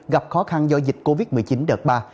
gặp khó khăn do dịch covid một mươi chín đợt ba